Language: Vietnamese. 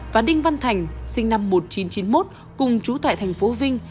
và đinh văn thành sinh năm một nghìn chín trăm chín mươi một cùng chú tại thành phố vinh